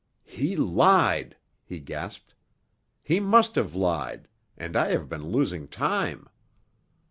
"He lied!" he gasped. "He must have lied—and I have been losing time!"